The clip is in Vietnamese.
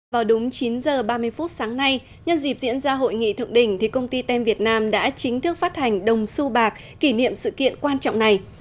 vào đúng chín h ba mươi phút sáng nay nhân dịp diễn ra hội nghị thượng đỉnh công ty tem việt nam đã chính thức phát hành đồng su bạc kỷ niệm sự kiện quan trọng này